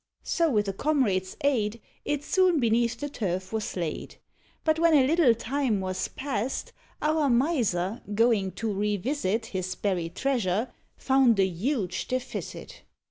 So with a comrade's aid It soon beneath the turf was laid; But when a little time was past, Our Miser going to re visit His buried treasure, found a huge deficit.